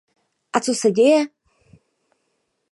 A co se děje?